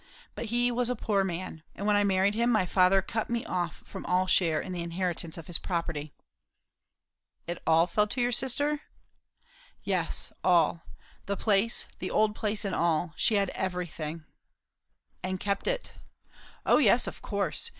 But he was a poor man. And when I married him, my father cut me off from all share in the inheritance of his property." "It all fell to your sister?" "Yes. All. The place, the old place, and all. She had everything." "And kept it." "O yes. Of course.